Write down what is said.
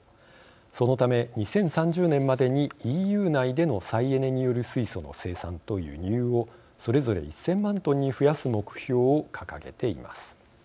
そのため２０３０年までにＥＵ内での再エネによる水素の生産と輸入をそれぞれ１０００万トンに増やす目標を掲げています。